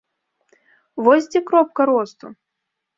Вось дзе кропка росту!